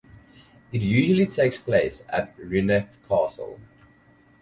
It usually takes place at Rieneck Castle.